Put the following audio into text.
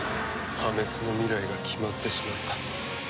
破滅の未来が決まってしまった。